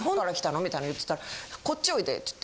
みたいなの言ってたら「こっちおいで」つって。